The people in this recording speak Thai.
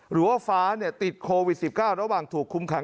หรือว่าฟ้าติดโควิด๑๙ระหว่างถูกคุมขัง